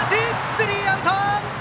スリーアウト！